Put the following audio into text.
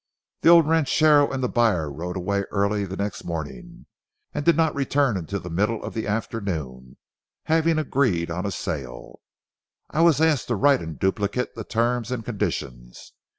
The old ranchero and the buyer rode away early the next morning, and did not return until near the middle of the afternoon, having already agreed on a sale. I was asked to write in duplicate the terms and conditions.